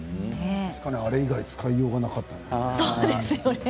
あれ以外使いようがなかった。